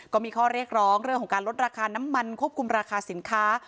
ก็มีข้อเรียกร้องเรื่องของการลดราคาน้ำมันควบคุมราคาสินค้า